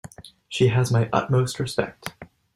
She has my utmost respect.